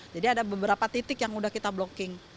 jadi ada beberapa titik yang udah kita blocking